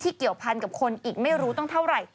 เกี่ยวพันกับคนอีกไม่รู้ตั้งเท่าไหร่